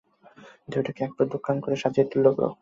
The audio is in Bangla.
দেহটাকে যে একেবারে দোকান করে সাজিয়ে তুললে গো, লজ্জা করে না!